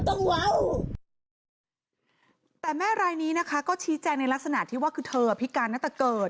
แต่แม่รายนี้นะคะก็ชี้แจงในลักษณะที่ว่าคือเธอพิการตั้งแต่เกิด